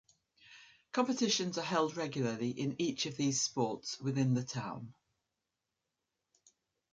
Competitions are held regularly in each of these sports within the town.